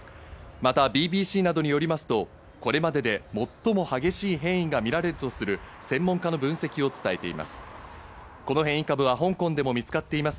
またＢＢＣなどによりますと、これまでで最も激しい変異が見られるとする専門家の分析を伝えています。